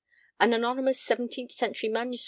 An anonymous seventeenth century MS.